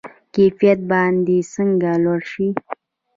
کیفیت باید څنګه لوړ شي؟